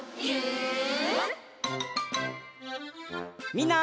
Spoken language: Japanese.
みんな。